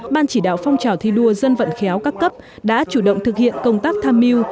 ban chỉ đạo phong trào thi đua dân vận khéo các cấp đã chủ động thực hiện công tác tham mưu